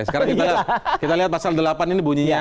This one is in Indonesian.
sekarang kita lihat pasal delapan ini bunyinya